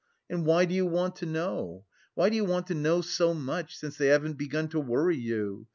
"And why do you want to know, why do you want to know so much, since they haven't begun to worry you?